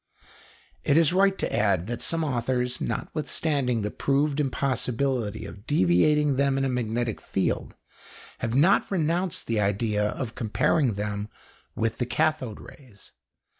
It is right to add that some authors, notwithstanding the proved impossibility of deviating them in a magnetic field, have not renounced the idea of comparing them with the cathode rays.